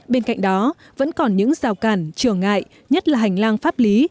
bên cạnh đó vẫn còn những rào cản trở ngại nhất là hành lang pháp lý